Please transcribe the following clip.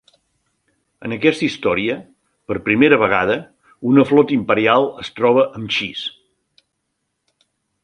En aquesta història, per primera vegada, una flota imperial es troba amb Chiss.